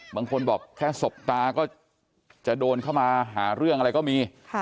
บางคนบอกแค่สบตาก็จะโดนเข้ามาหาเรื่องอะไรก็มี